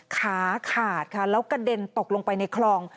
ขาขาดค่ะแล้วกระเด็นตกลงไปในคลอง